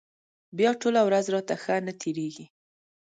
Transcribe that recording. بیا ټوله ورځ راته ښه نه تېرېږي.